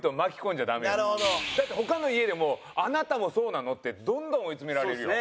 だって他の家でも「あなたもそうなの？」ってどんどん追い詰められるよ。